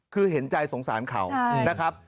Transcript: คือเห็นใจสงสารเขานะครับ